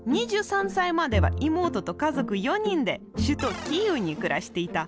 ２３歳までは妹と家族４人で首都キーウに暮らしていた。